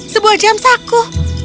sebuah jam saku